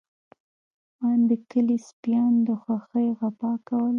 آن د کلي سپيانو د خوښۍ غپا کوله.